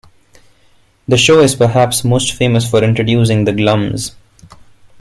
The show is perhaps most famous for introducing "The Glums".